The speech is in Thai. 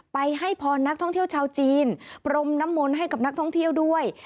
ให้พรนักท่องเที่ยวชาวจีนพรมน้ำมนต์ให้กับนักท่องเที่ยวด้วย